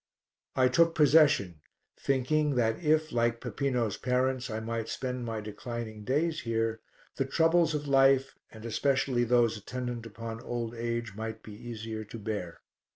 I took possession, thinking that if, like Peppino's parents, I might spend my declining days here, the troubles of life, and especially those attendant upon old age, might be easier to bear.